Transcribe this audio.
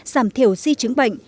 giảm thiểu si chứng bệnh